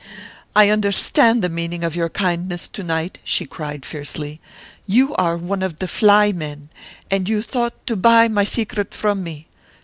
"I understand the meaning of your kindness to night," she cried, fiercely. "You are one of the 'fly' men, and you thought to buy my secret from me.